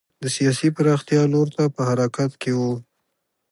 د سیاسي پراختیا لور ته په حرکت کې و.